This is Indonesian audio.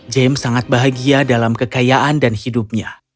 james sangat bahagia dalam kekayaan dan hidupnya